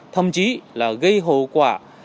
thậm chí là gây hậu quả